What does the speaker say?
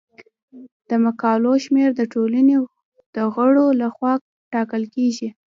د مقالو شمیر د ټولنې د غړو لخوا ټاکل کیږي.